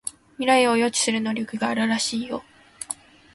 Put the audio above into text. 未来を予知する能力があるらしいよ